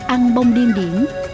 ăn bông điên điển